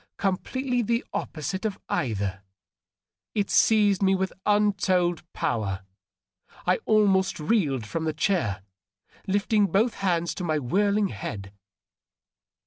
Completely the opposite of either, it seized me with untold power. I almost reeled from the chair, lifting both hands to my whirling head.